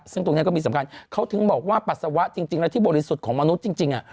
ซึ่งตรงนี้ก็มีสำคัญเขาถึงบอกว่าปัสสาวะจริงแล้วที่บริสุทธิ์ของมนุษย์จริง